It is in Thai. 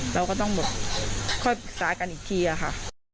เราก็ต้องแบบค่อยปรึกษากันอีกทีอะค่ะ